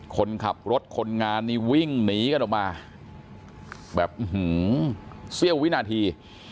คนขับรถคนงานนี่วิ่งหนีกันออกมาแบบเสี้ยววินาที